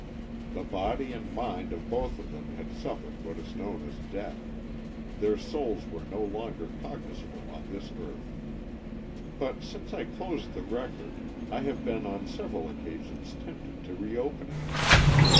The body and mind of both of them had suffered what is known as death; their souls were no longer cognizable on this earth. But since I closed the record, I have been on several occasions tempted to reopen it.